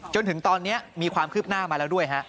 จนถึงตอนนี้มีความคืบหน้ามาแล้วด้วยฮะ